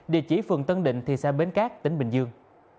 địa chỉ phường tân định thị xã bến cát tỉnh bình dương